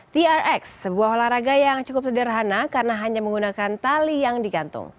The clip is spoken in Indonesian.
trx sebuah olahraga yang cukup sederhana karena hanya menggunakan tali yang digantung